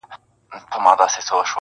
شګوفې مو لکه اوښکي د خوښیو -